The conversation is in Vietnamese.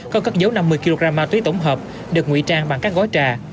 có các dấu năm mươi kg ma túy tổng hợp được ngụy trang bằng các gói trà